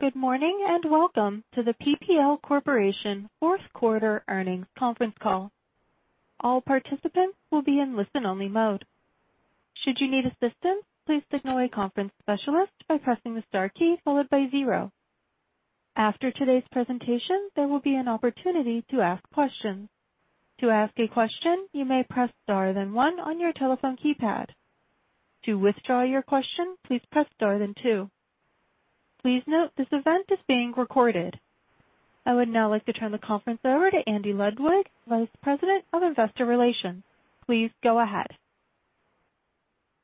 Good morning, and welcome to the PPL Corporation fourth quarter earnings conference call. All participants will be in listen-only mode. Should you need assistance, please signal a conference specialist by pressing the star key followed by zero. After today's presentation, there will be an opportunity to ask questions. To ask a question, you may press star then one on your telephone keypad. To withdraw your question, please press star then two. Please note this event is being recorded. I would now like to turn the conference over to Andy Ludwig, Vice President, Investor Relations. Please go ahead.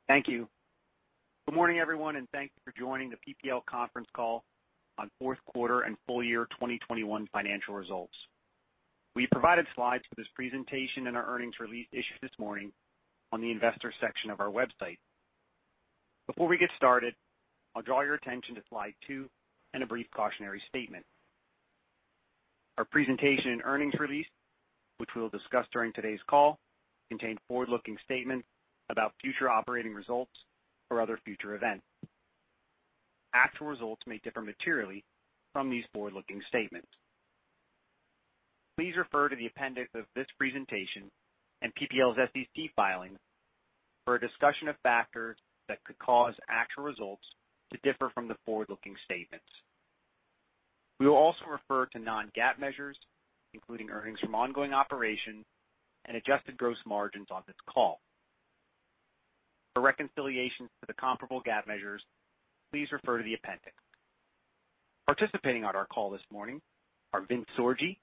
Thank you. Good morning, everyone, and thank you for joining the PPL conference call on fourth quarter and full year 2021 financial results. We provided slides for this presentation in our earnings release issued this morning on the investor section of our website. Before we get started, I'll draw your attention to slide 2 and a brief cautionary statement. Our presentation and earnings release, which we'll discuss during today's call, contain forward-looking statements about future operating results or other future events. Actual results may differ materially from these forward-looking statements. Please refer to the appendix of this presentation and PPL's SEC filings for a discussion of factors that could cause actual results to differ from the forward-looking statements. We will also refer to non-GAAP measures, including earnings from ongoing operations and adjusted gross margins on this call. For reconciliations to the comparable GAAP measures, please refer to the appendix. Participating on our call this morning are Vincent Sorgi,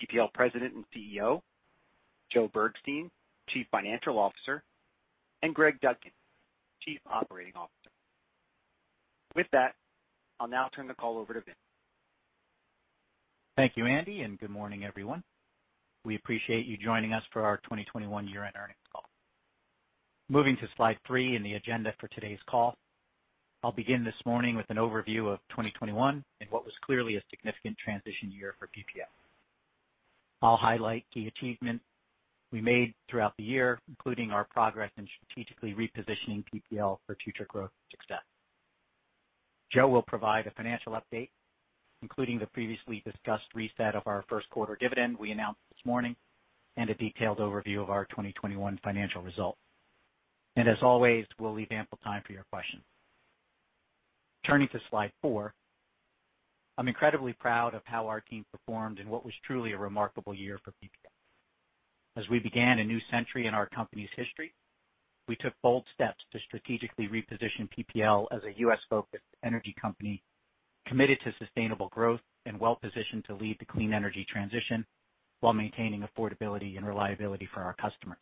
PPL President and CEO, Joe Bergstein, Chief Financial Officer, and Greg Dudkin, Chief Operating Officer. With that, I'll now turn the call over to Vincent. Thank you, Andy, and good morning, everyone. We appreciate you joining us for our 2021 year-end earnings call. Moving to slide 3 in the agenda for today's call, I'll begin this morning with an overview of 2021 and what was clearly a significant transition year for PPL. I'll highlight key achievements we made throughout the year, including our progress in strategically repositioning PPL for future growth and success. Joe will provide a financial update, including the previously discussed reset of our first quarter dividend we announced this morning and a detailed overview of our 2021 financial results. As always, we'll leave ample time for your questions. Turning to slide 4, I'm incredibly proud of how our team performed in what was truly a remarkable year for PPL. As we began a new century in our company's history, we took bold steps to strategically reposition PPL as a U.S.-focused energy company committed to sustainable growth and well-positioned to lead the clean energy transition while maintaining affordability and reliability for our customers.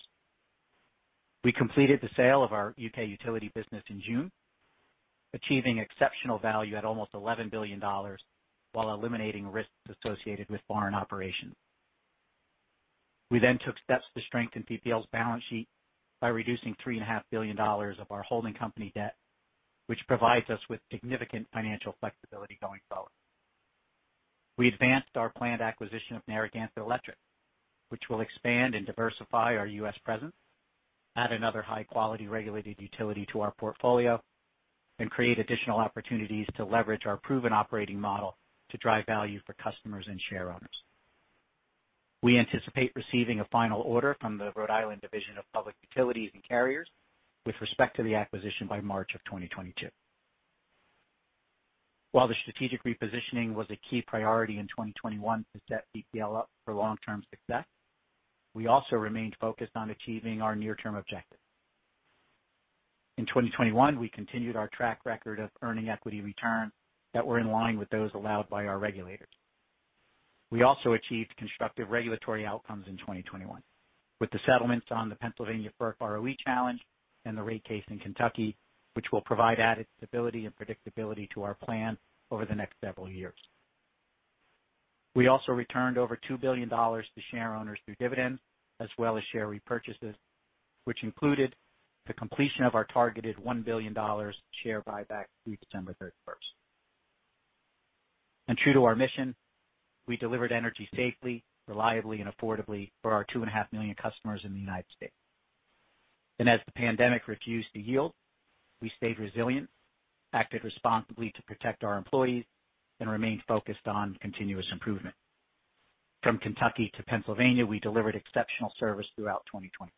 We completed the sale of our U.K. utility business in June, achieving exceptional value at almost $11 billion while eliminating risks associated with foreign operations. We then took steps to strengthen PPL's balance sheet by reducing $3.5 billion of our holding company debt, which provides us with significant financial flexibility going forward. We advanced our planned acquisition of Narragansett Electric, which will expand and diversify our U.S. presence, add another high-quality regulated utility to our portfolio, and create additional opportunities to leverage our proven operating model to drive value for customers and shareowners. We anticipate receiving a final order from the Rhode Island Division of Public Utilities and Carriers with respect to the acquisition by March 2022. While the strategic repositioning was a key priority in 2021 to set PPL up for long-term success, we also remained focused on achieving our near-term objectives. In 2021, we continued our track record of earning equity returns that were in line with those allowed by our regulators. We also achieved constructive regulatory outcomes in 2021 with the settlements on the Pennsylvania FERC ROE challenge and the rate case in Kentucky, which will provide added stability and predictability to our plan over the next several years. We also returned over $2 billion to shareowners through dividends as well as share repurchases, which included the completion of our targeted $1 billion share buyback through December 31. True to our mission, we delivered energy safely, reliably, and affordably for our 2.5 million customers in the United States. As the pandemic refused to yield, we stayed resilient, acted responsibly to protect our employees, and remained focused on continuous improvement. From Kentucky to Pennsylvania, we delivered exceptional service throughout 2021.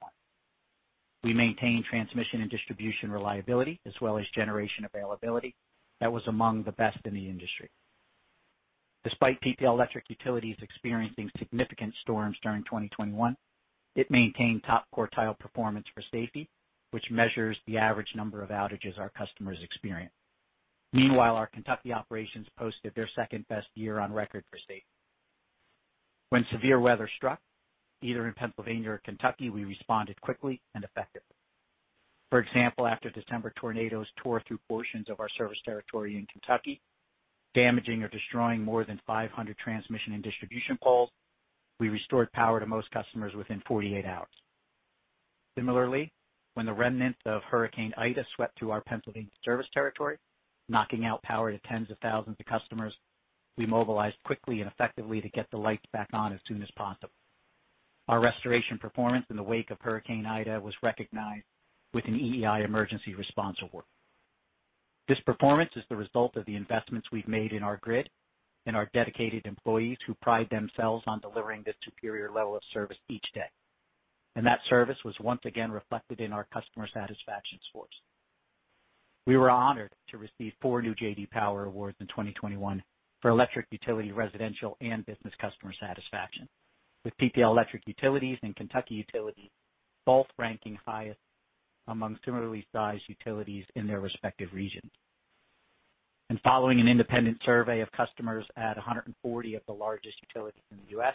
We maintained transmission and distribution reliability as well as generation availability that was among the best in the industry. Despite PPL Electric Utilities experiencing significant storms during 2021, it maintained top-quartile performance for safety, which measures the average number of outages our customers experience. Meanwhile, our Kentucky operations posted their second-best year on record for safety. When severe weather struck, either in Pennsylvania or Kentucky, we responded quickly and effectively. For example, after December tornadoes tore through portions of our service territory in Kentucky, damaging or destroying more than 500 transmission and distribution poles, we restored power to most customers within 48 hours. Similarly, when the remnants of Hurricane Ida swept through our Pennsylvania service territory, knocking out power to tens of thousands of customers, we mobilized quickly and effectively to get the lights back on as soon as possible. Our restoration performance in the wake of Hurricane Ida was recognized with an EEI Emergency Response Award. This performance is the result of the investments we've made in our grid and our dedicated employees who pride themselves on delivering this superior level of service each day. That service was once again reflected in our customer satisfaction scores. We were honored to receive 4 new J.D. Power Awards in 2021 for electric utility residential and business customer satisfaction, with PPL Electric Utilities and Kentucky Utilities both ranking highest among similarly sized utilities in their respective regions. Following an independent survey of customers at 140 of the largest utilities in the U.S.,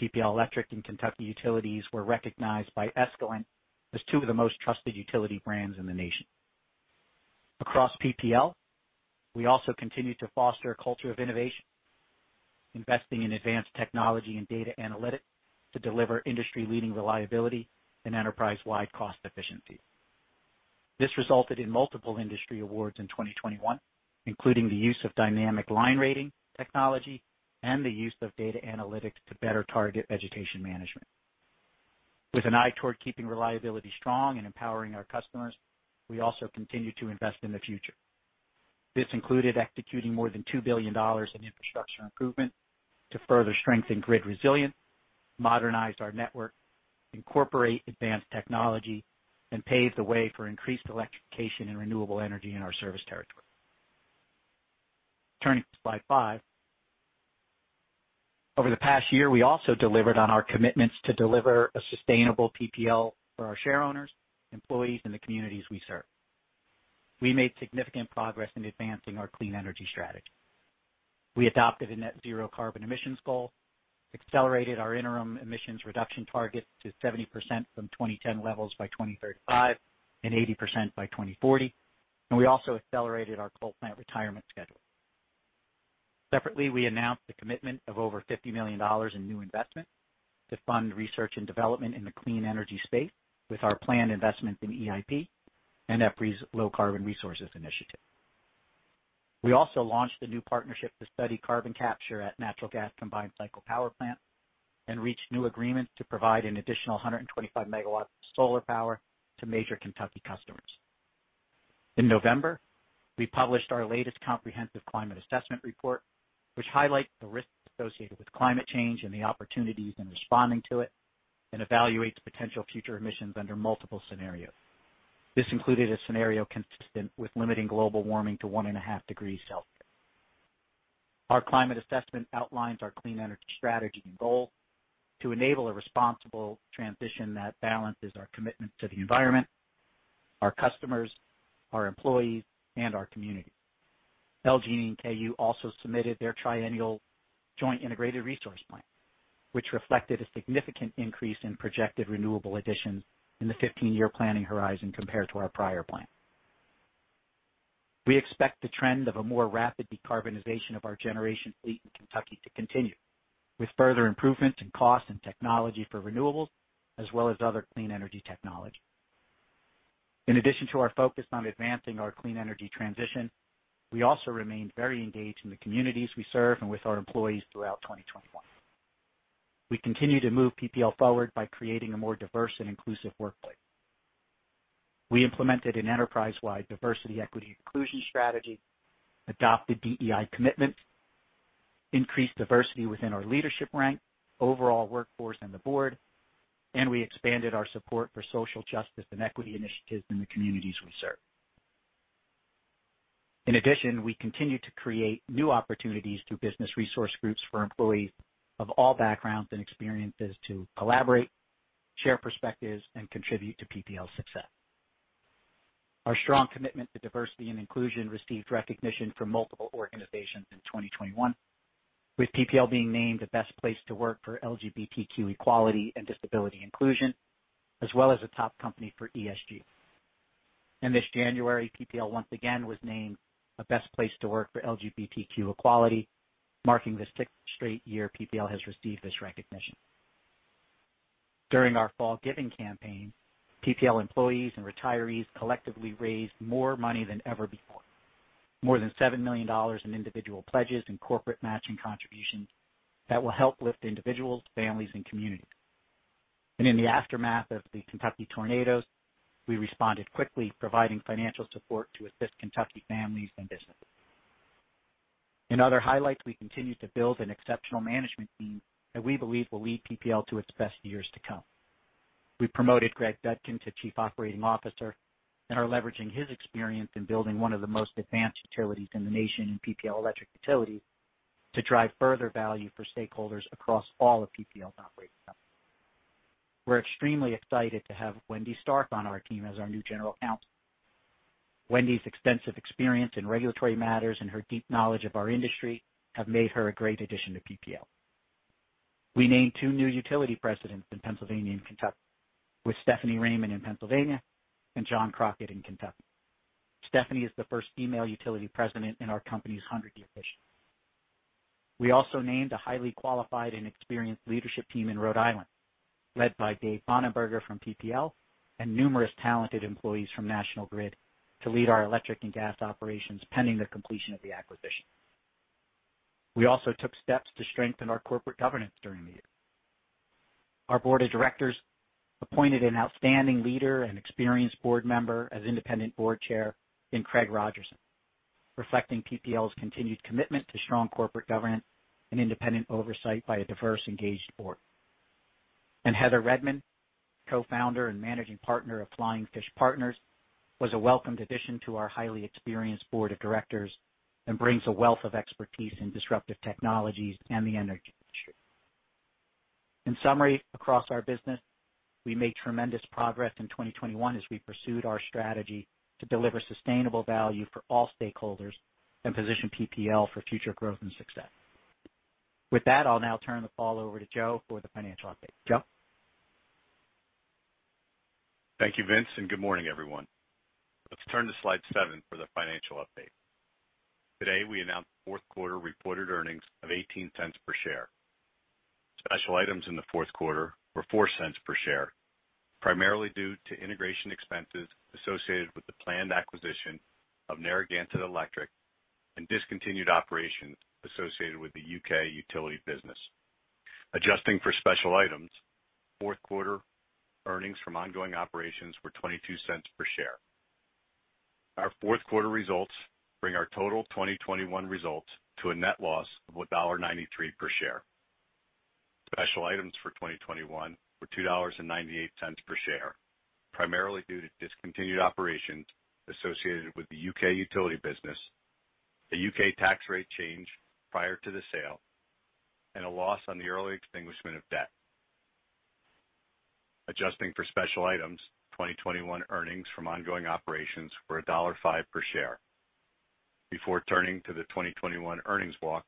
PPL Electric and Kentucky Utilities were recognized by Escalent as two of the most trusted utility brands in the nation. Across PPL, we also continue to foster a culture of innovation, investing in advanced technology and data analytics to deliver industry-leading reliability and enterprise-wide cost efficiency. This resulted in multiple industry awards in 2021, including the use of dynamic line rating technology and the use of data analytics to better target vegetation management. With an eye toward keeping reliability strong and empowering our customers, we also continue to invest in the future. This included executing more than $2 billion in infrastructure improvement to further strengthen grid resilience, modernize our network, incorporate advanced technology, and pave the way for increased electrification and renewable energy in our service territory. Turning to slide 5. Over the past year, we also delivered on our commitments to deliver a sustainable PPL for our shareowners, employees, and the communities we serve. We made significant progress in advancing our clean energy strategy. We adopted a net zero carbon emissions goal, accelerated our interim emissions reduction target to 70% from 2010 levels by 2035, and 80% by 2040, and we also accelerated our coal plant retirement schedule. Separately, we announced the commitment of over $50 million in new investment to fund research and development in the clean energy space with our planned investment in EIP and EPRI's Low-Carbon Resources Initiative. We also launched a new partnership to study carbon capture at natural gas combined cycle power plant and reached new agreements to provide an additional 125 MW of solar power to major Kentucky customers. In November, we published our latest comprehensive climate assessment report, which highlights the risks associated with climate change and the opportunities in responding to it and evaluates potential future emissions under multiple scenarios. This included a scenario consistent with limiting global warming to 1.5 degrees Celsius. Our climate assessment outlines our clean energy strategy and goal to enable a responsible transition that balances our commitment to the environment, our customers, our employees, and our community. LG&E and KU also submitted their triennial joint integrated resource plan, which reflected a significant increase in projected renewable additions in the 15-year planning horizon compared to our prior plan. We expect the trend of a more rapid decarbonization of our generation fleet in Kentucky to continue with further improvements in cost and technology for renewables, as well as other clean energy technology. In addition to our focus on advancing our clean energy transition, we also remained very engaged in the communities we serve and with our employees throughout 2021. We continue to move PPL forward by creating a more diverse and inclusive workplace. We implemented an enterprise-wide diversity, equity, inclusion strategy, adopted DEI commitments, increased diversity within our leadership rank, overall workforce, and the board, and we expanded our support for social justice and equity initiatives in the communities we serve. In addition, we continue to create new opportunities through business resource groups for employees of all backgrounds and experiences to collaborate, share perspectives, and contribute to PPL's success. Our strong commitment to diversity and inclusion received recognition from multiple organizations in 2021, with PPL being named the best place to work for LGBTQ equality and disability inclusion, as well as a top company for ESG. This January, PPL once again was named a best place to work for LGBTQ equality, marking the sixth straight year PPL has received this recognition. During our fall giving campaign, PPL employees and retirees collectively raised more money than ever before, more than $7 million in individual pledges and corporate matching contributions that will help lift individuals, families, and communities. In the aftermath of the Kentucky tornadoes, we responded quickly, providing financial support to assist Kentucky families and businesses. In other highlights, we continue to build an exceptional management team that we believe will lead PPL to its best years to come. We promoted Greg Dudkin to Chief Operating Officer and are leveraging his experience in building one of the most advanced utilities in the nation in PPL Electric Utilities to drive further value for stakeholders across all of PPL's operating companies. We're extremely excited to have Wendy Stark on our team as our new General Counsel. Wendy's extensive experience in regulatory matters and her deep knowledge of our industry have made her a great addition to PPL. We named two new utility presidents in Pennsylvania and Kentucky, with Stephanie Raymond in Pennsylvania and John Crockett in Kentucky. Stephanie is the first female utility president in our company's hundred-year history. We also named a highly qualified and experienced leadership team in Rhode Island, led by Dave Bonenberger from PPL and numerous talented employees from National Grid to lead our electric and gas operations pending the completion of the acquisition. We also took steps to strengthen our corporate governance during the year. Our board of directors appointed an outstanding leader and experienced board member as independent Board Chair, Craig Rogerson, reflecting PPL's continued commitment to strong corporate governance and independent oversight by a diverse, engaged board. Heather Redman, co-founder and managing partner of Flying Fish Partners, was a welcomed addition to our highly experienced board of directors and brings a wealth of expertise in disruptive technologies and the energy industry. In summary, across our business, we made tremendous progress in 2021 as we pursued our strategy to deliver sustainable value for all stakeholders and position PPL for future growth and success. With that, I'll now turn the call over to Joe for the financial update. Joe? Thank you, Vincent, and good morning, everyone. Let's turn to slide 7 for the financial update. Today, we announced fourth quarter reported earnings of $0.18 per share. Special items in the fourth quarter were $0.04 per share, primarily due to integration expenses associated with the planned acquisition of Narragansett Electric and discontinued operations associated with the UK utility business. Adjusting for special items, fourth quarter earnings from ongoing operations were $0.22 per share. Our fourth quarter results bring our total 2021 results to a net loss of $1.93 per share. Special items for 2021 were $2.98 per share, primarily due to discontinued operations associated with the UK utility business, a UK tax rate change prior to the sale, and a loss on the early extinguishment of debt. Adjusting for special items, 2021 earnings from ongoing operations were $1.05 per share. Before turning to the 2021 earnings walk,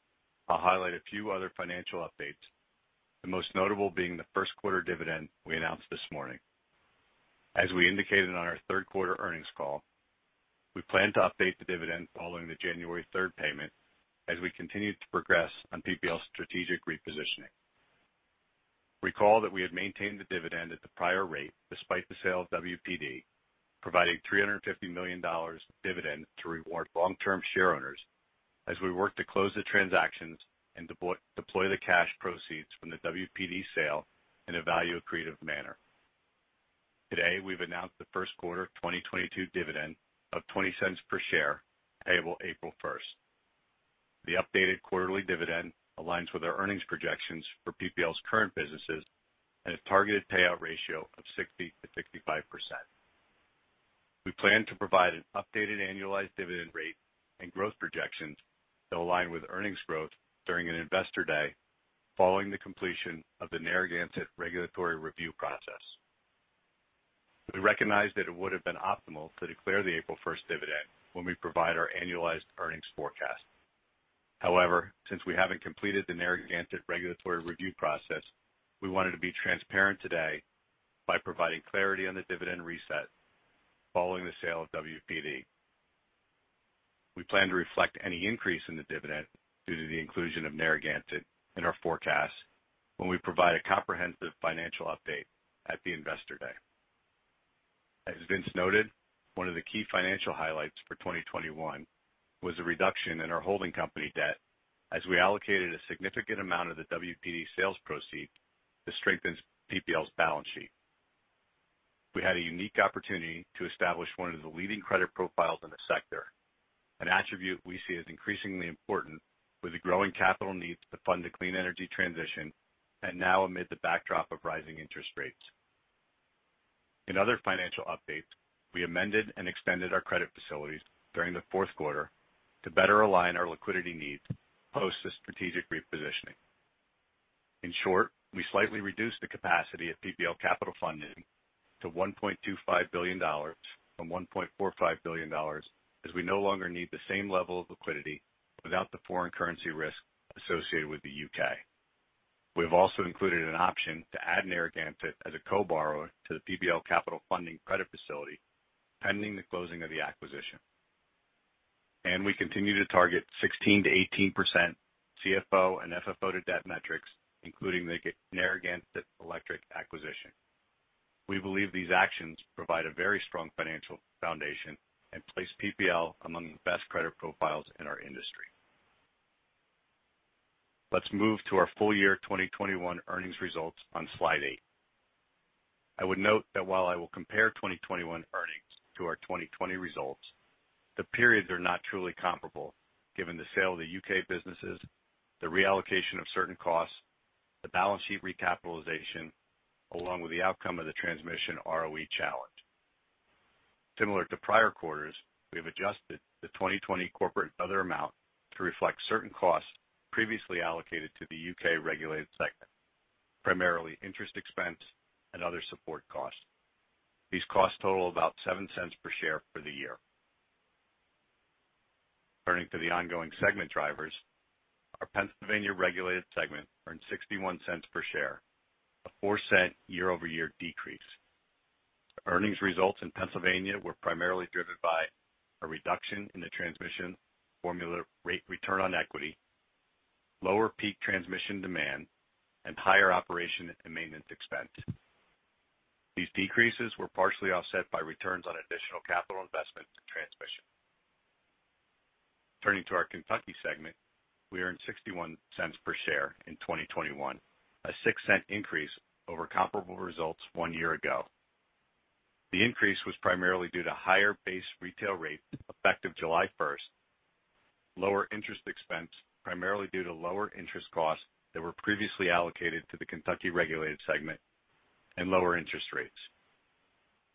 I'll highlight a few other financial updates, the most notable being the first quarter dividend we announced this morning. As we indicated on our third quarter earnings call, we plan to update the dividend following the January third payment as we continue to progress on PPL's strategic repositioning. Recall that we had maintained the dividend at the prior rate despite the sale of WPD, providing $350 million dividend to reward long-term shareowners as we work to close the transactions and deploy the cash proceeds from the WPD sale in a value-accretive manner. Today, we've announced the first quarter 2022 dividend of $0.20 per share, payable April first. The updated quarterly dividend aligns with our earnings projections for PPL's current businesses and a targeted payout ratio of 60%-65%. We plan to provide an updated annualized dividend rate and growth projections that align with earnings growth during an Investor Day following the completion of the Narragansett regulatory review process. We recognize that it would have been optimal to declare the April first dividend when we provide our annualized earnings forecast. However, since we haven't completed the Narragansett regulatory review process, we wanted to be transparent today by providing clarity on the dividend reset following the sale of WPD. We plan to reflect any increase in the dividend due to the inclusion of Narragansett in our forecast when we provide a comprehensive financial update at the Investor Day. As Vincent noted, one of the key financial highlights for 2021 was a reduction in our holding company debt as we allocated a significant amount of the WPD sales proceeds to strengthen PPL's balance sheet. We had a unique opportunity to establish one of the leading credit profiles in the sector, an attribute we see as increasingly important with the growing capital needs to fund the clean energy transition and now amid the backdrop of rising interest rates. In other financial updates, we amended and extended our credit facilities during the fourth quarter to better align our liquidity needs post the strategic repositioning. In short, we slightly reduced the capacity of PPL Capital Funding to $1.25 billion from $1.45 billion as we no longer need the same level of liquidity without the foreign currency risk associated with the U.K. We have also included an option to add Narragansett as a co-borrower to the PPL Capital Funding credit facility, pending the closing of the acquisition. We continue to target 16%-18% CFO and FFO to debt metrics, including the Narragansett Electric acquisition. We believe these actions provide a very strong financial foundation and place PPL among the best credit profiles in our industry. Let's move to our full year 2021 earnings results on slide 8. I would note that while I will compare 2021 earnings to our 2020 results, the periods are not truly comparable given the sale of the U.K. businesses, the reallocation of certain costs, the balance sheet recapitalization, along with the outcome of the transmission ROE challenge. Similar to prior quarters, we have adjusted the 2020 corporate other amount to reflect certain costs previously allocated to the U.K. regulated segment, primarily interest expense and other support costs. These costs total about $0.07 per share for the year. Turning to the ongoing segment drivers, our Pennsylvania regulated segment earned $0.61 per share, a $0.04 year-over-year decrease. Earnings results in Pennsylvania were primarily driven by a reduction in the transmission formula rate return on equity, lower peak transmission demand, and higher operation and maintenance expense. These decreases were partially offset by returns on additional capital investment to transmission. Turning to our Kentucky segment, we earned $0.61 per share in 2021, a $0.06 increase over comparable results one year ago. The increase was primarily due to higher base retail rate effective July first, lower interest expense, primarily due to lower interest costs that were previously allocated to the Kentucky regulated segment, and lower interest rates.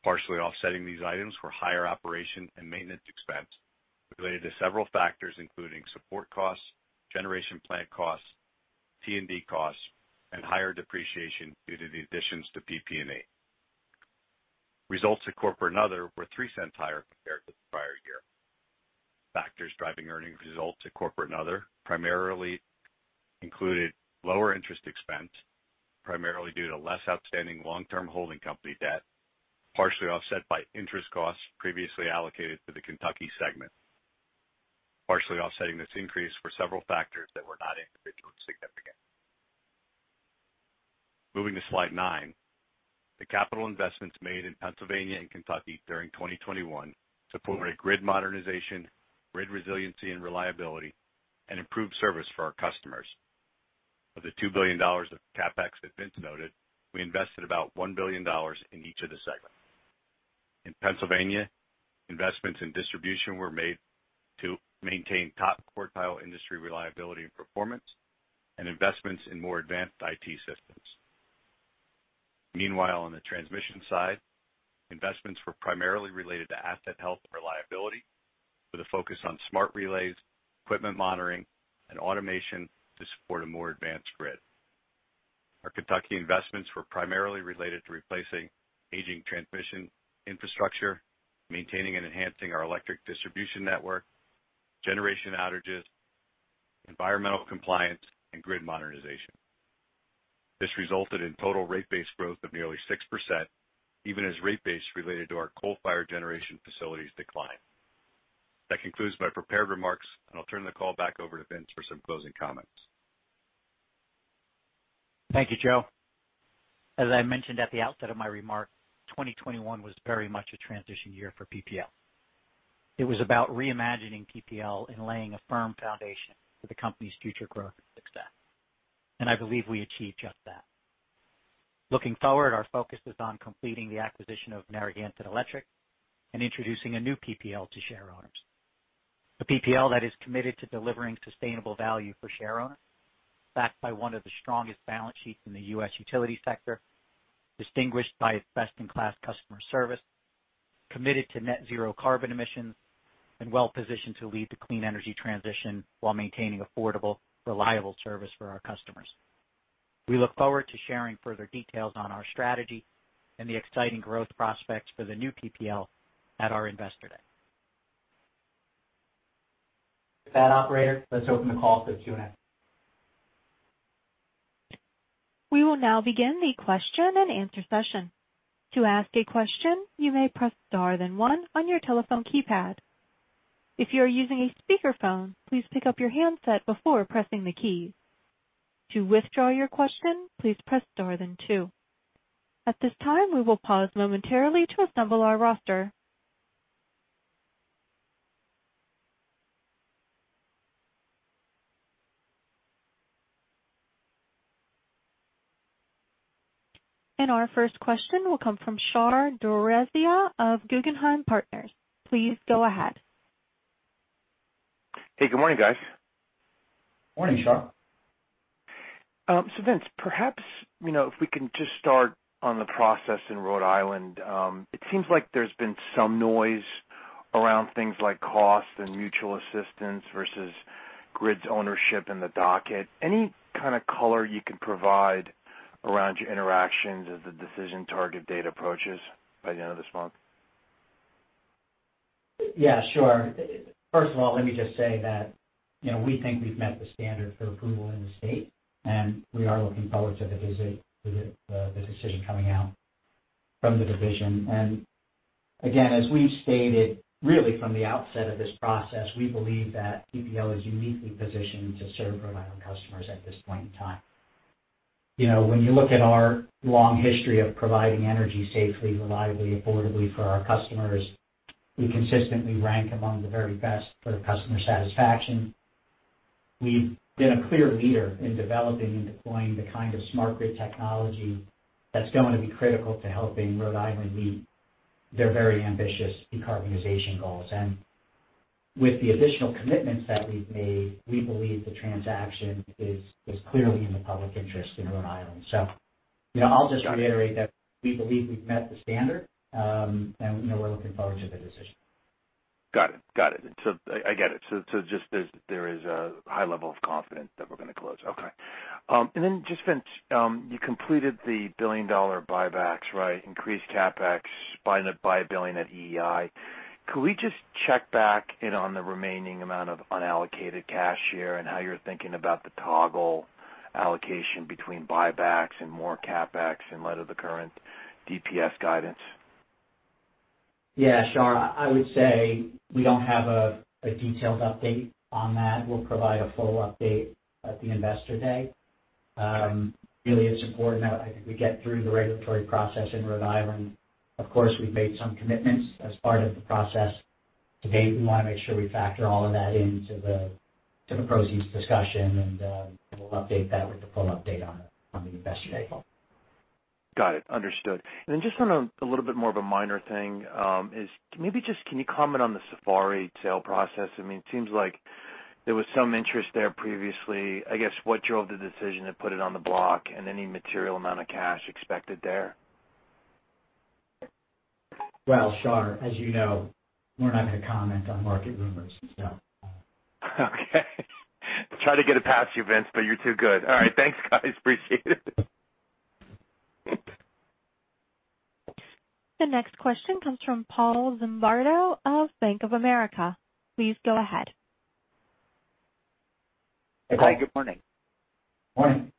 Partially offsetting these items were higher operation and maintenance expense related to several factors, including support costs, generation plant costs, T&D costs, and higher depreciation due to the additions to PP&E. Results at Corporate and Other were $0.03 higher compared to the prior year. Factors driving earnings results at Corporate and Other primarily included lower interest expense, primarily due to less outstanding long-term holding company debt, partially offset by interest costs previously allocated to the Kentucky segment. Partially offsetting this increase were several factors that were not individually significant. Moving to slide 9. The capital investments made in Pennsylvania and Kentucky during 2021 supported grid modernization, grid resiliency and reliability, and improved service for our customers. Of the $2 billion of CapEx that Vincent noted, we invested about $1 billion in each of the segments. In Pennsylvania, investments in distribution were made to maintain top quartile industry reliability and performance and investments in more advanced IT systems. Meanwhile, on the transmission side, investments were primarily related to asset health and reliability with a focus on smart relays, equipment monitoring, and automation to support a more advanced grid. Our Kentucky investments were primarily related to replacing aging transmission infrastructure, maintaining and enhancing our electric distribution network, generation outages, environmental compliance, and grid modernization. This resulted in total rate base growth of nearly 6%, even as rate base related to our coal-fired generation facilities declined. That concludes my prepared remarks, and I'll turn the call back over to Vincent for some closing comments. Thank you, Joe. As I mentioned at the outset of my remarks, 2021 was very much a transition year for PPL. It was about reimagining PPL and laying a firm foundation for the company's future growth and success. I believe we achieved just that. Looking forward, our focus is on completing the acquisition of Narragansett Electric and introducing a new PPL to shareowners. A PPL that is committed to delivering sustainable value for shareowners, backed by one of the strongest balance sheets in the U.S. utility sector, distinguished by its best-in-class customer service, committed to net zero carbon emissions, and well-positioned to lead the clean energy transition while maintaining affordable, reliable service for our customers. We look forward to sharing further details on our strategy and the exciting growth prospects for the new PPL at our Investor Day. With that, operator, let's open the call to Q&A. We will now begin the question-and-answer session. To ask a question, you may press star then one on your telephone keypad. If you are using a speakerphone, please pick up your handset before pressing the key. To withdraw your question, please press star then two. At this time, we will pause momentarily to assemble our roster. Our first question will come from Shar Pourreza of Guggenheim Partners. Please go ahead. Hey, good morning, guys. Morning, Shar. Vincent, perhaps, you know, if we can just start on the process in Rhode Island. It seems like there's been some noise around things like cost and mutual assistance versus National Grid's ownership in the docket. Any kind of color you can provide around your interactions as the decision target date approaches by the end of this month? Yeah, sure. First of all, let me just say that, you know, we think we've met the standard for approval in the state, and we are looking forward to the decision coming out from the division. Again, as we've stated, really from the outset of this process, we believe that PPL is uniquely positioned to serve Rhode Island customers at this point in time. You know, when you look at our long history of providing energy safely, reliably, affordably for our customers, we consistently rank among the very best for customer satisfaction. We've been a clear leader in developing and deploying the kind of smart grid technology that's going to be critical to helping Rhode Island meet their very ambitious decarbonization goals. With the additional commitments that we've made, we believe the transaction is clearly in the public interest in Rhode Island. You know, I'll just reiterate that we believe we've met the standard, and we know we're looking forward to the decision. Got it. I get it. There is a high level of confidence that we're gonna close. Okay. Vince, you completed the billion-dollar buybacks, right? Increased CapEx by $1 billion at EEI. Could we just check back in on the remaining amount of unallocated cash here and how you're thinking about the toggle allocation between buybacks and more CapEx in light of the current EPS guidance? Yeah, Shar, I would say we don't have a detailed update on that. We'll provide a full update at the Investor Day. Really, it's important that we get through the regulatory process in Rhode Island. Of course, we've made some commitments as part of the process. Today, we wanna make sure we factor all of that into the proceeds discussion, and we'll update that with the full update on the Investor Day. Got it. Understood. Then just on a little bit more of a minor thing, is maybe just can you comment on the Safari sale process? I mean, it seems like there was some interest there previously. I guess, what drove the decision to put it on the block and any material amount of cash expected there? Well, Shar, as you know, we're not gonna comment on market rumors. So. Okay. Tried to get it past you, Vince, but you're too good. All right. Thanks, guys. Appreciate it. The next question comes from Paul Zimbardo of Bank of America. Please go ahead. Hey, good morning. Morning.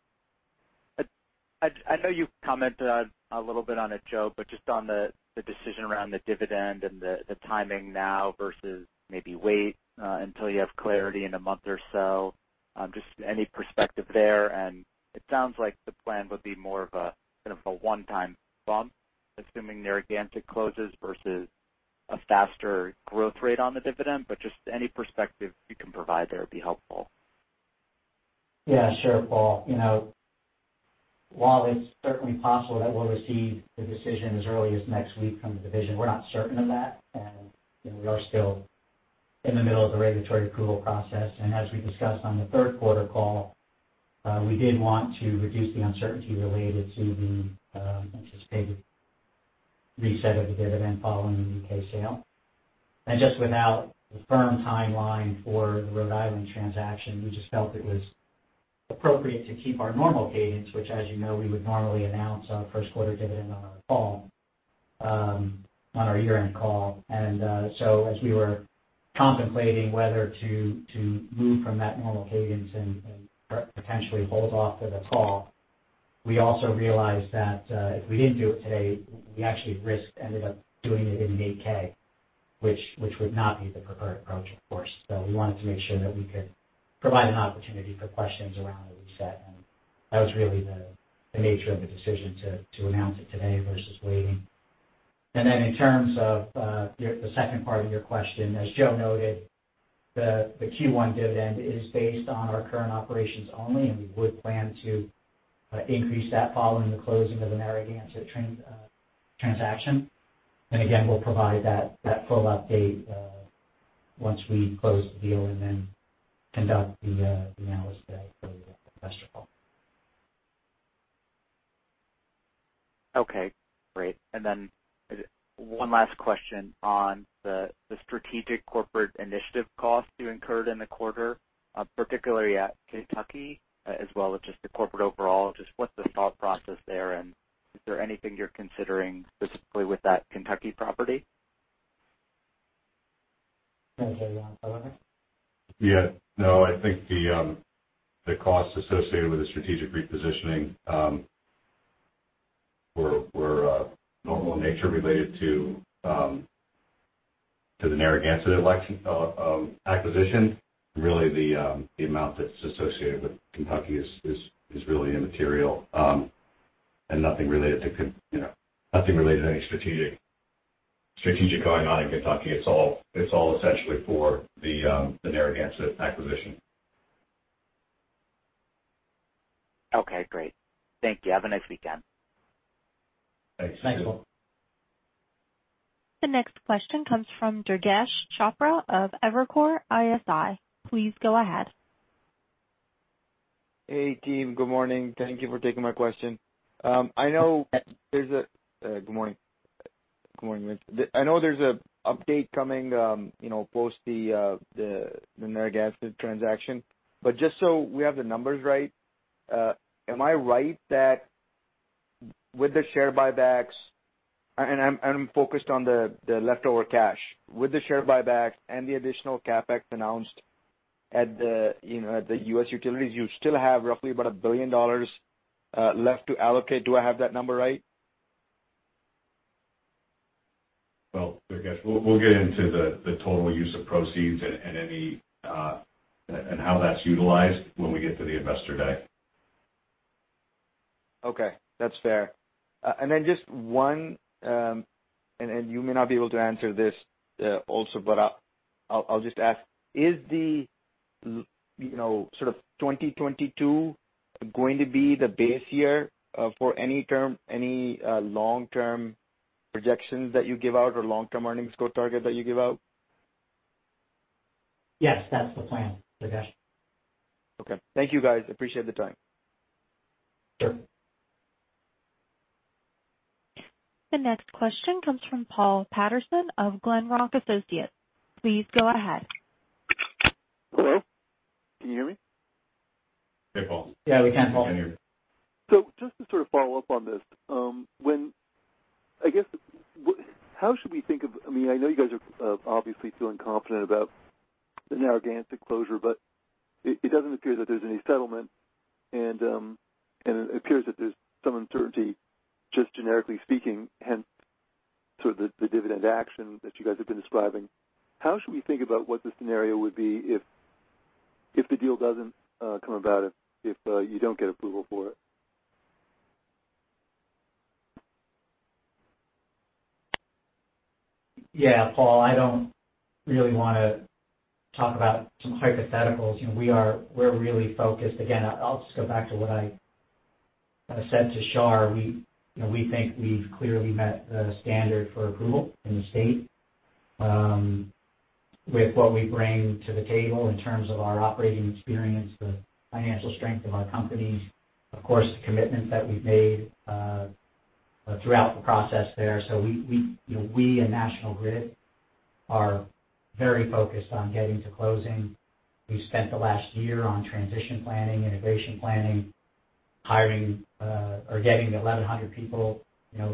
I know you've commented a little bit on it, Joe, but just on the decision around the dividend and the timing now versus maybe wait until you have clarity in a month or so, just any perspective there. It sounds like the plan would be more of a kind of a one-time bump, assuming Narragansett closes versus a faster growth rate on the dividend. Just any perspective you can provide there would be helpful. Yeah, sure, Paul. You know, while it's certainly possible that we'll receive the decision as early as next week from the division, we're not certain of that, and, you know, we are still in the middle of the regulatory approval process. As we discussed on the third quarter call, we did want to reduce the uncertainty related to the anticipated reset of the dividend following the U.K. sale. Just without a firm timeline for the Rhode Island transaction, we just felt it was appropriate to keep our normal cadence, which as you know, we would normally announce our first quarter dividend on our call, on our year-end call. As we were contemplating whether to move from that normal cadence and potentially hold off until the call, we also realized that if we didn't do it today, we actually risk ending up doing it in an 8-K, which would not be the preferred approach, of course. We wanted to make sure that we could provide an opportunity for questions around the reset, and that was really the nature of the decision to announce it today versus waiting. In terms of the second part of your question, as Joe noted, the Q1 dividend is based on our current operations only, and we would plan to increase that following the closing of the Narragansett transaction. Again, we'll provide that full update once we close the deal and then conduct the analysis for the investor call. Okay, great. One last question on the strategic corporate initiative costs you incurred in the quarter, particularly at Kentucky, as well as just the corporate overall. Just what's the thought process there, and is there anything you're considering specifically with that Kentucky property? You wanna take that one, Joe? Yeah. No, I think the costs associated with the strategic repositioning were normal in nature related to the Narragansett acquisition. Really the amount that's associated with Kentucky is really immaterial, and nothing related to, you know, nothing related to any strategic going on in Kentucky. It's all essentially for the Narragansett acquisition. Okay, great. Thank you. Have a nice weekend. Thanks. Thanks, Paul. The next question comes from Durgesh Chopra of Evercore ISI. Please go ahead. Hey, team. Good morning. Thank you for taking my question. Good morning, Vince. I know there's an update coming, you know, post the Narragansett transaction, but just so we have the numbers right, am I right that with the share buybacks, and I'm focused on the leftover cash. With the share buyback and the additional CapEx announced at the, you know, at the U.S. utilities, you still have roughly about $1 billion left to allocate. Do I have that number right? Well, Durgesh, we'll get into the total use of proceeds and any and how that's utilized when we get to the Investor Day. Okay. That's fair. Just one, and you may not be able to answer this, also, but I'll just ask, is, you know, sort of 2022 going to be the base year for any term, long-term projections that you give out or long-term earnings growth target that you give out? Yes, that's the plan, Durgesh. Okay. Thank you, guys. Appreciate the time. Sure. The next question comes from Paul Patterson of Glenrock Associates. Please go ahead. Hello? Can you hear me? Hey, Paul. Yeah, we can, Paul. We can hear you. Just to sort of follow up on this, I guess, how should we think of, I mean, I know you guys are obviously feeling confident about The Narragansett closure, but it doesn't appear that there's any settlement, and it appears that there's some uncertainty, just generically speaking, hence sort of the dividend action that you guys have been describing. How should we think about what the scenario would be if the deal doesn't come about, if you don't get approval for it? Yeah, Paul, I don't really wanna talk about some hypotheticals. You know, we're really focused. Again, I'll just go back to what I said to Shar. You know, we think we've clearly met the standard for approval in the state with what we bring to the table in terms of our operating experience, the financial strength of our companies, of course, the commitments that we've made throughout the process there. You know, we and National Grid are very focused on getting to closing. We've spent the last year on transition planning, integration planning, hiring or getting the 1,100 people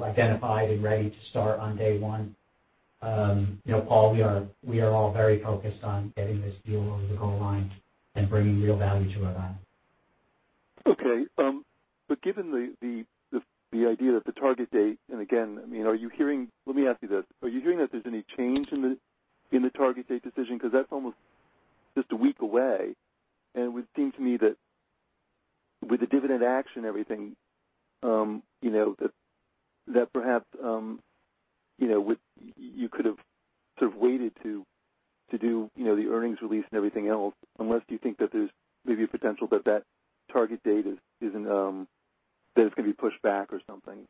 identified and ready to start on day one. You know, Paul, we are all very focused on getting this deal over the goal line and bringing real value to Rhode Island. Okay. Given the idea that the target date, and again, I mean, are you hearing? Let me ask you this. Are you hearing that there's any change in the target date decision? 'Cause that's almost just a week away, and it would seem to me that with the dividend action and everything, you know, that perhaps, you know, with you could've sort of waited to do, you know, the earnings release and everything else, unless you think that there's maybe a potential that that target date isn't, that it's gonna be pushed back or something.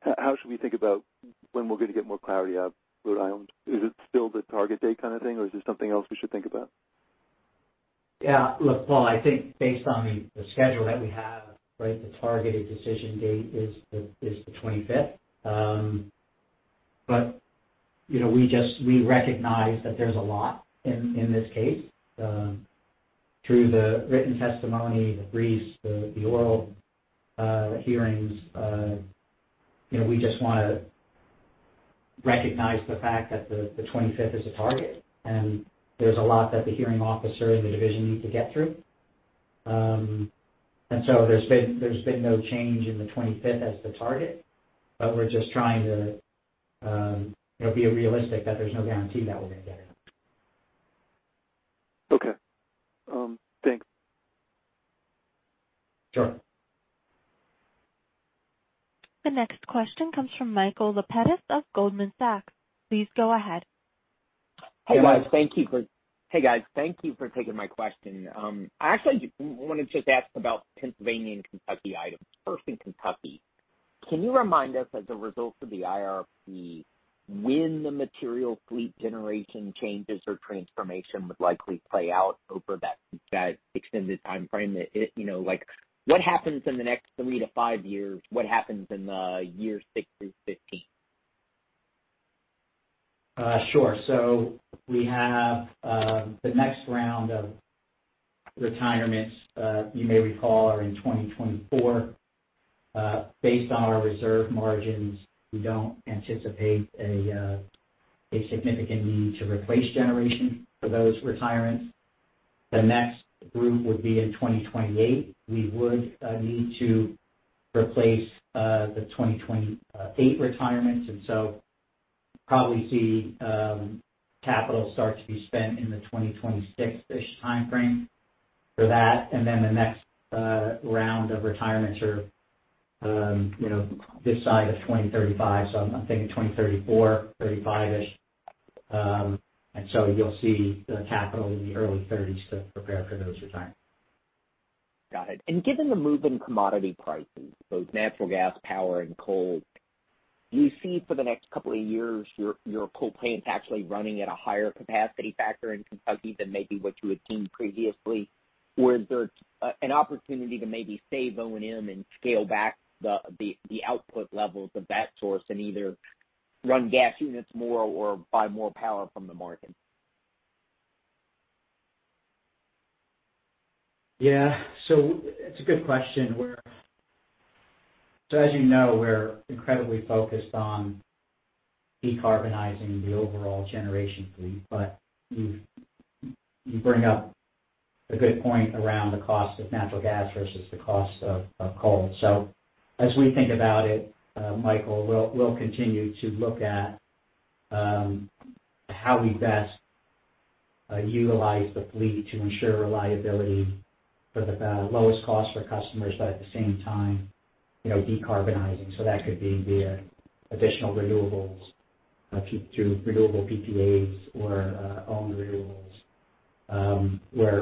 How should we think about when we're gonna get more clarity out of Rhode Island? Is it still the target date kind of thing, or is there something else we should think about? Yeah. Look, Paul, I think based on the schedule that we have, right, the targeted decision date is the 25th. You know, we recognize that there's a lot in this case through the written testimony, the briefs, the oral hearings. You know, we just wanna recognize the fact that the 25th is a target, and there's a lot that the hearing officer and the division need to get through. There's been no change in the 25th as the target, we're just trying to you know, be realistic that there's no guarantee that we're gonna get it. Okay. Thanks. Sure. The next question comes from Michael Lapides of Goldman Sachs. Please go ahead. Hey, guys. Thank you for taking my question. I actually wanted to just ask about Pennsylvania and Kentucky items. First in Kentucky, can you remind us, as a result of the IRP, when the material fleet generation changes or transformation would likely play out over that extended timeframe? You know, like, what happens in the next 3-5 years? What happens in the year 6 through 15? Sure. We have the next round of retirements, you may recall, are in 2024. Based on our reserve margins, we don't anticipate a significant need to replace generation for those retirements. The next group would be in 2028. We would need to replace the 2028 retirements, so probably see capital start to be spent in the 2026-ish timeframe for that. The next round of retirements are, you know, this side of 2035, so I'm thinking 2034, 2035-ish. You'll see capital in the early 2030s to prepare for those retirements. Got it. Given the move in commodity pricing, both natural gas, power, and coal, do you see for the next couple of years your coal plants actually running at a higher capacity factor in Kentucky than maybe what you had deemed previously? Or is there an opportunity to maybe save O&M and scale back the output levels of that source and either run gas units more or buy more power from the market? Yeah. It's a good question. As you know, we're incredibly focused on decarbonizing the overall generation fleet, but you bring up a good point around the cost of natural gas versus the cost of coal. As we think about it, Michael, we'll continue to look at how we best utilize the fleet to ensure reliability for the lowest cost for customers, but at the same time, you know, decarbonizing. That could be via additional renewables through renewable PPAs or owned renewables.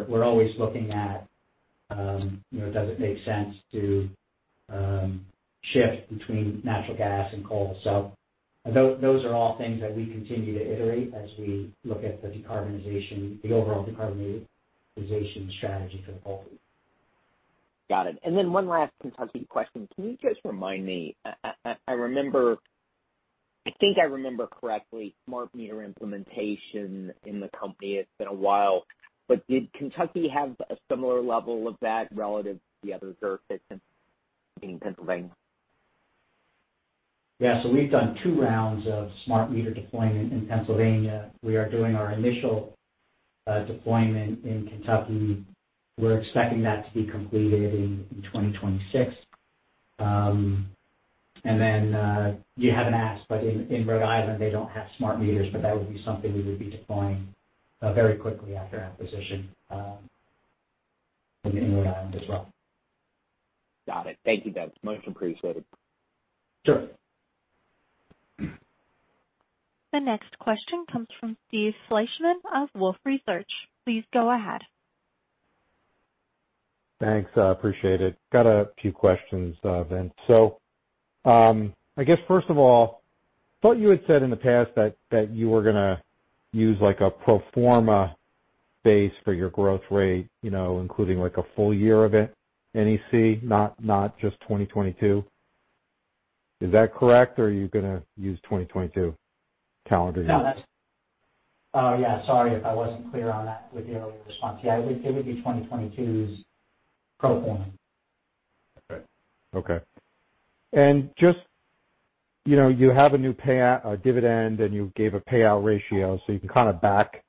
We're always looking at, you know, does it make sense to shift between natural gas and coal? Those are all things that we continue to iterate as we look at the decarbonization, the overall decarbonization strategy for the coal fleet. Got it. One last Kentucky question. Can you just remind me? I think I remember correctly, smart meter implementation in the company. It's been a while. Did Kentucky have a similar level of that relative to the other jurisdictions, meaning Pennsylvania? Yeah. We've done two rounds of smart meter deployment in Pennsylvania. We are doing our initial deployment in Kentucky. We're expecting that to be completed in 2026. You haven't asked, but in Rhode Island, they don't have smart meters, but that would be something we would be deploying very quickly after acquisition in Rhode Island as well. Got it. Thank you, Vince. Much appreciated. Sure. The next question comes from Steve Fleishman of Wolfe Research. Please go ahead. Thanks. I appreciate it. Got a few questions, Vince. I guess first of all, I thought you had said in the past that you were gonna use like a pro forma basis for your growth rate, you know, including like a full year of it, Narragansett Electric Company, not just 2022. Is that correct? Or are you gonna use 2022 calendar year? No. Oh, yeah, sorry if I wasn't clear on that with the earlier response. Yeah, it would be 2022's pro forma. Okay. You know, you have a new dividend, and you gave a payout ratio, so you can kind of back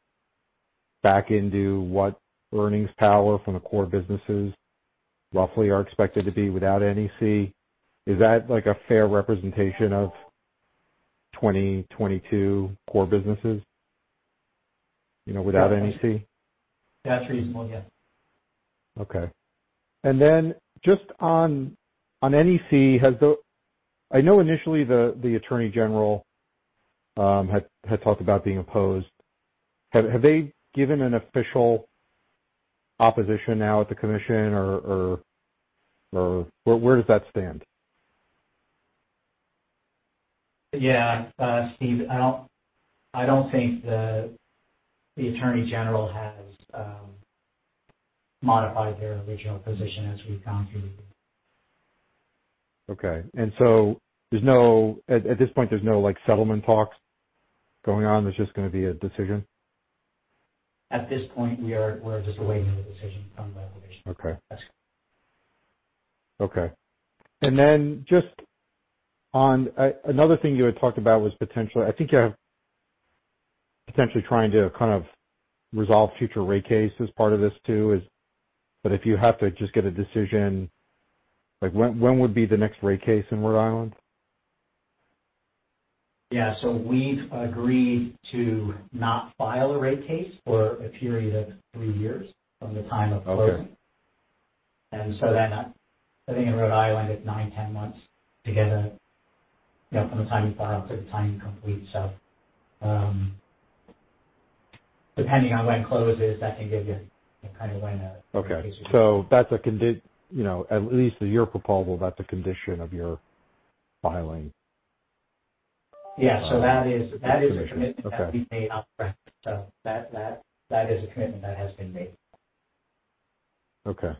into what earnings power from the core businesses roughly are expected to be without NEC. Is that like a fair representation of 2022 core businesses, you know, without NEC? That's reasonable, yeah. Okay. Just on NECO, I know initially the attorney general had talked about being opposed. Have they given an official opposition now at the commission or where does that stand? Yeah. Steve, I don't think the attorney general has modified their original position as we've gone through. Okay. At this point, there's no, like, settlement talks going on. There's just gonna be a decision. At this point, we're just awaiting the decision from the commission. Okay. Yes. Okay. Just on another thing you had talked about was potentially I think you have potentially trying to kind of resolve future rate cases. Part of this too is, but if you have to just get a decision, like, when would be the next rate case in Rhode Island? Yeah. We've agreed to not file a rate case for a period of three years from the time of closing. Okay. I think in Rhode Island, it's 9-10 months to get a, you know, from the time you file to the time you complete. Depending on when closes, that can give you kind of when the case would be. Okay. That's a condition—you know, at least to your proposal, that's a condition of your filing. Yeah. That is a commitment that we've made up front. That is a commitment that has been made. Okay.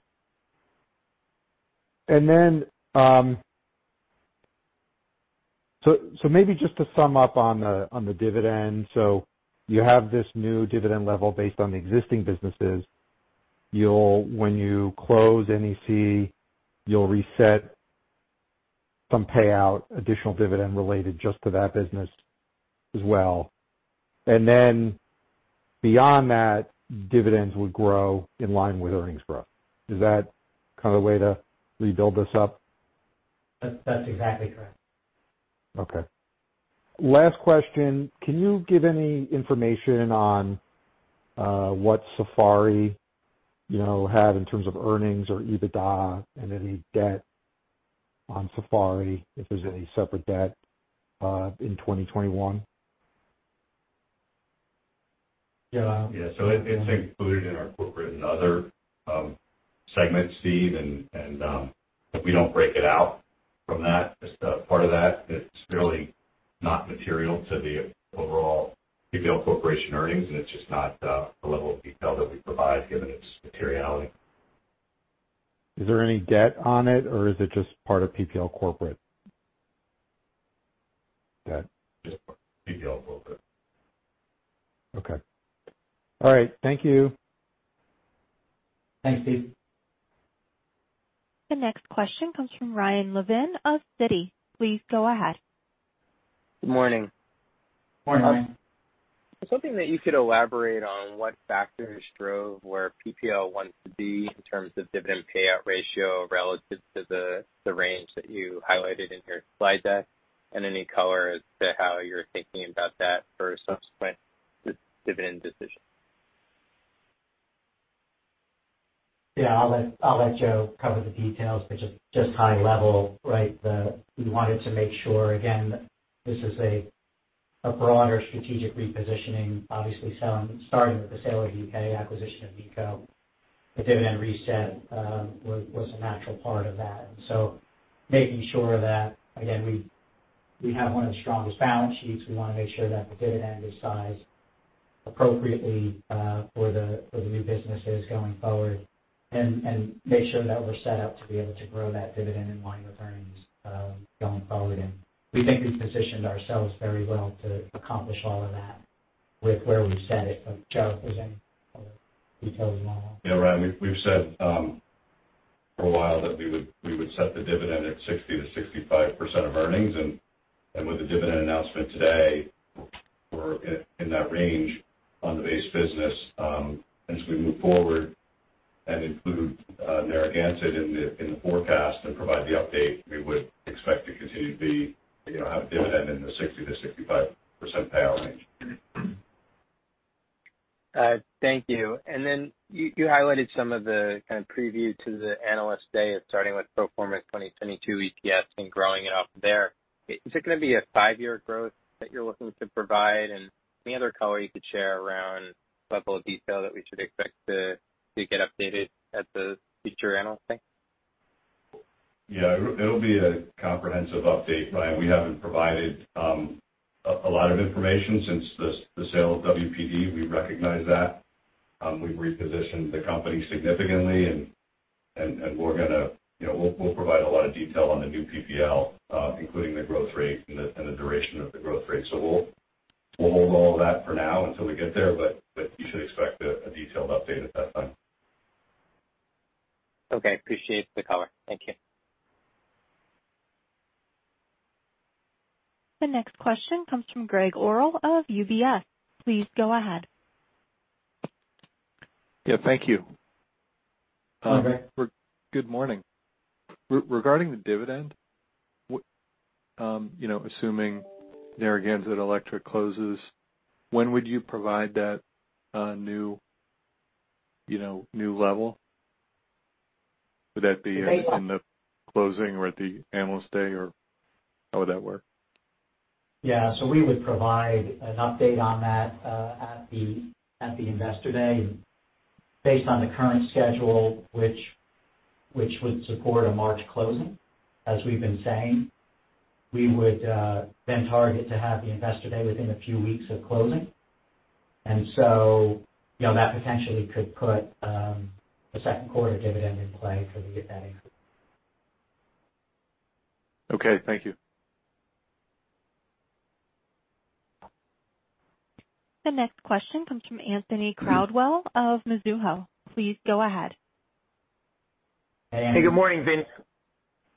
Maybe just to sum up on the dividend. You have this new dividend level based on the existing businesses. When you close NEC, you'll reset some payout, additional dividend related just to that business as well. Beyond that, dividends would grow in line with earnings growth. Is that kind of the way to rebuild this up? That's exactly correct. Okay. Last question. Can you give any information on what Safari had in terms of earnings or EBITDA and any debt on Safari, if there's any separate debt in 2021? Yeah. Yeah. It's included in our Corporate and Other segment, Steve. We don't break it out from that. As a part of that, it's really not material to the overall PPL Corporation earnings, and it's just not the level of detail that we provide given its materiality. Is there any debt on it or is it just part of PPL corporate? Yeah. Just PPL corporate. Okay. All right. Thank you. Thanks, Steve. The next question comes from Ryan Levine of Citi. Please go ahead. Good morning. Morning. Something that you could elaborate on, what factors drove where PPL wants to be in terms of dividend payout ratio relative to the range that you highlighted in your slide deck and any color as to how you're thinking about that for a subsequent dividend decision? Yeah. I'll let Joe cover the details, but just high level, right? We wanted to make sure, again, this is a broader strategic repositioning, obviously selling, starting with the sale of UK, acquisition of NECO. The dividend reset was a natural part of that. Making sure that, again, we have one of the strongest balance sheets. We want to make sure that the dividend is sized appropriately for the new businesses going forward and make sure that we're set up to be able to grow that dividend in line with earnings going forward. We think we've positioned ourselves very well to accomplish all of that with where we've set it. Joe, if there's any other details you want to add. Yeah. Ryan, we've said. For a while that we would set the dividend at 60%-65% of earnings. With the dividend announcement today, we're in that range on the base business. As we move forward and include Narragansett in the forecast and provide the update, we would expect to continue to be, you know, have a dividend in the 60%-65% payout range. Thank you. You highlighted some of the kind of preview to the Analyst Day of starting with pro forma 2022 EPS and growing it up there. Is it gonna be a five-year growth that you're looking to provide? Any other color you could share around level of detail that we should expect to get updated at the future Analyst Day? Yeah, it'll be a comprehensive update, Ryan. We haven't provided a lot of information since the sale of WPD. We recognize that. We've repositioned the company significantly, and we're gonna, you know, we'll provide a lot of detail on the new PPL, including the growth rate and the duration of the growth rate. We'll hold all that for now until we get there, but you should expect a detailed update at that time. Okay. Appreciate the color. Thank you. The next question comes from Gregg Orrill of UBS. Please go ahead. Yeah, thank you. You bet. Good morning. Regarding the dividend, you know, assuming Narragansett Electric closes, when would you provide that new, you know, new level? Would that be? The- on the closing or at the Analyst Day, or how would that work? We would provide an update on that at the Investor Day. Based on the current schedule, which would support a March closing, as we've been saying, we would then target to have the Investor Day within a few weeks of closing. That potentially could put a second quarter dividend in play for the utility. Okay, thank you. The next question comes from Anthony Crowdell of Mizuho. Please go ahead. Hey, Anthony. Hey, good morning, Vince.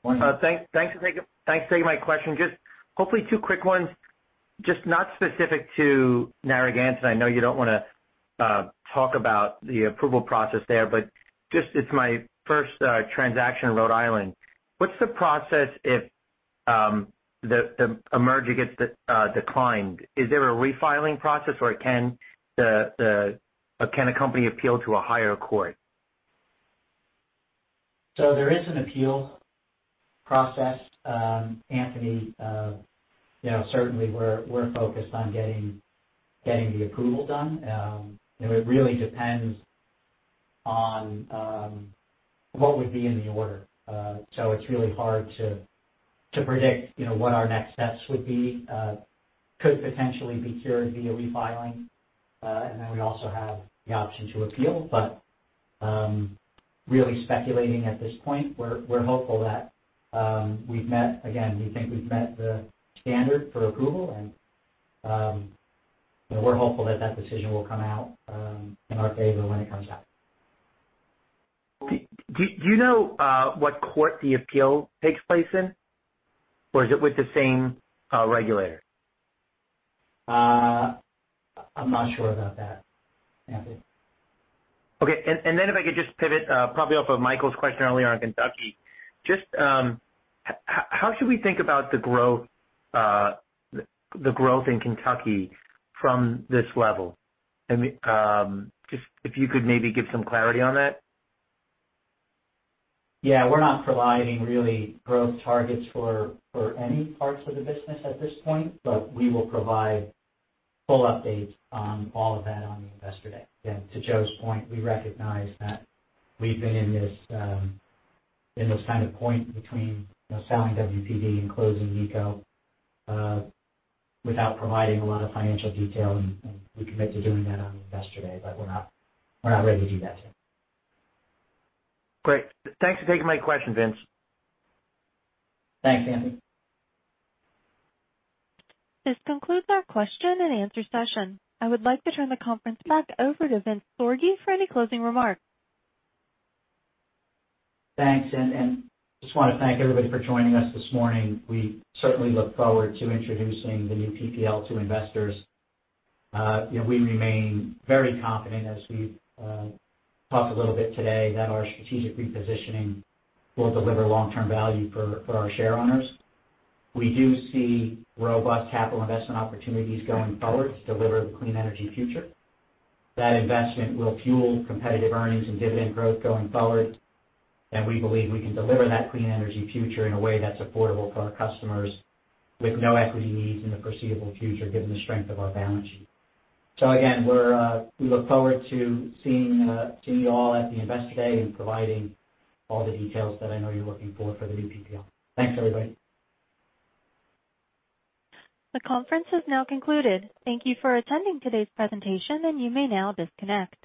Morning. Thanks for taking my question. Just hopefully two quick ones. Just not specific to Narragansett, I know you don't wanna talk about the approval process there, but just it's my first transaction in Rhode Island. What's the process if the merger gets declined? Is there a refiling process, or can a company appeal to a higher court? There is an appeal process, Anthony. You know, certainly we're focused on getting the approval done. It would really depend on what would be in the order. It's really hard to predict, you know, what our next steps would be. It could potentially be cured via refiling, and then we also have the option to appeal. Really speculating at this point, we're hopeful that we've met, again, we think we've met the standard for approval, and you know, we're hopeful that that decision will come out in our favor when it comes out. Do you know what court the appeal takes place in, or is it with the same regulator? I'm not sure about that, Anthony. If I could just pivot probably off of Michael's question earlier on Kentucky, just how should we think about the growth in Kentucky from this level? Just if you could maybe give some clarity on that. Yeah. We're not providing really growth targets for any parts of the business at this point, but we will provide full updates on all of that on the Investor Day. Again, to Joe's point, we recognize that we've been in this kind of point between, you know, selling WPD and closing NECO without providing a lot of financial detail, and we commit to doing that on the Investor Day, but we're not ready to do that today. Great. Thanks for taking my question, Vince. Thanks, Anthony. This concludes our question-and-answer session. I would like to turn the conference back over to Vincent Sorgi for any closing remarks. Thanks. Just wanna thank everybody for joining us this morning. We certainly look forward to introducing the new PPL to investors. You know, we remain very confident as we've talked a little bit today that our strategic repositioning will deliver long-term value for our share owners. We do see robust capital investment opportunities going forward to deliver the clean energy future. That investment will fuel competitive earnings and dividend growth going forward, and we believe we can deliver that clean energy future in a way that's affordable for our customers with no equity needs in the foreseeable future, given the strength of our balance sheet. Again, we look forward to seeing you all at the Investor Day and providing all the details that I know you're looking for for the new PPL. Thanks, everybody. The conference has now concluded. Thank you for attending today's presentation, and you may now disconnect.